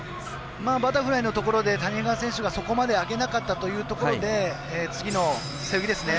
バタフライのところで谷川選手が、そこまで上げなかったというところで次の背泳ぎですね。